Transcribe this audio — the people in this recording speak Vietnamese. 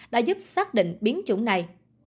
đã giúp xác định biến chủng này